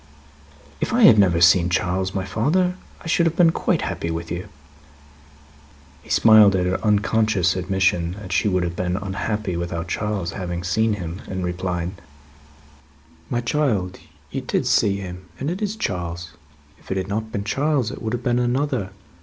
"If I had never seen Charles, my father, I should have been quite happy with you." He smiled at her unconscious admission that she would have been unhappy without Charles, having seen him; and replied: "My child, you did see him, and it is Charles. If it had not been Charles, it would have been another.